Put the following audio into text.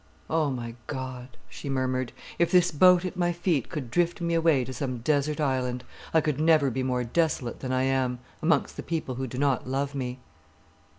"O my God!" she murmured, "if this boat at my feet could drift me away to some desert island, I could never be more desolate than I am, amongst the people who do not love me."